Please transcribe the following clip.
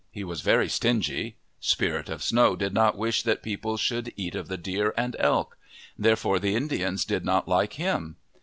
He was very stingy. Spirit of Snow did not wish that people should eat of the deer and elk. There fore the Indians did not like him.